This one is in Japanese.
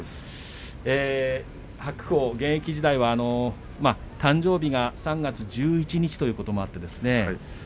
白鵬現役時代は誕生日が３月１１日ということもあって